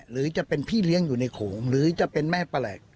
หรือจะเป็นพี่เลี้ยงอยู่ในโขงหรือจะเป็นแม่แปลก